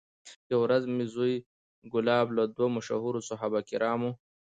یوه ورځ یې زوی کلاب له دوو مشهورو صحابه کرامو